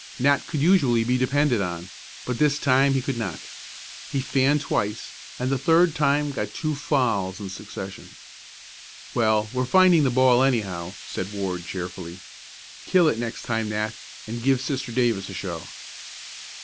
Nat could usually be depended on, but this time he could not. He fanned twice and the third time got two fouls in succession. "Well, we're finding the ball, anyhow," said Ward cheerfully. "Kill it next time, Nat, and give Sister Davis a show."